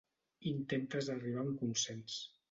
Intentes arribar a un consens.